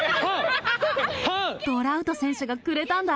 トラウト選手がくれたんだ。